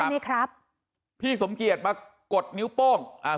ไหมครับพี่สมเกียจมากดนิ้วโป้งอ่า